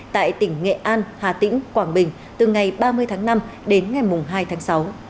tại tỉnh nghệ an hà tĩnh quảng bình từ ngày ba mươi tháng năm đến ngày hai tháng sáu